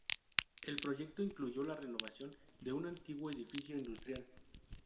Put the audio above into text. El proyecto incluyó la renovación de un antiguo edificio industrial.